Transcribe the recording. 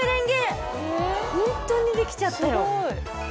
ほんとにできちゃったよ。